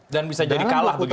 dan bisa jadi kalah begitu